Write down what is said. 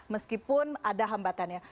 meskipun ada hambatannya